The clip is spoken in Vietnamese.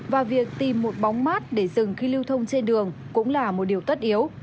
và việc tìm một bóng mát để dừng khi lưu thông trên đường cũng là một điều tất yếu